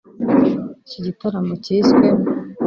Iki gitaramo cyiswe